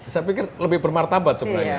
saya pikir lebih bermartabat sebenarnya